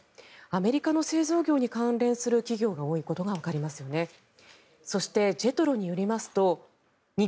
アメリカの製造業に関連する企業が多いことがわかりますよね。